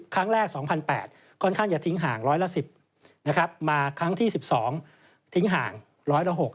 ค่อนข้างอย่าทิ้งห่าง๑๐๐ละ๑๐มาครั้งที่๑๒ทิ้งห่าง๑๐๐ละ๖